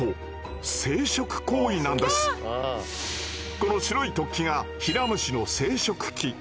この白い突起がヒラムシの生殖器。